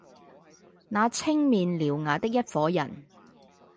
那青面獠牙的一夥人，